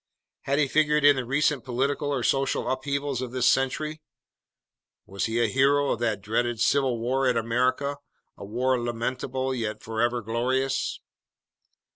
Had he figured in the recent political or social upheavals of this century? Was he a hero of that dreadful civil war in America, a war lamentable yet forever glorious